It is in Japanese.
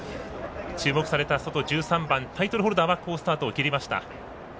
注目された外１３番タイトルホルダーは好スタートを切りました。